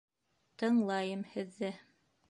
— Тыңлайым һеҙҙе...